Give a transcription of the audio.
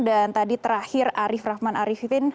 dan tadi terakhir arief rahman ariefifin